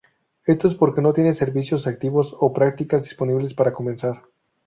Esto es porque no tiene servicios activos o prácticas disponibles para comenzar.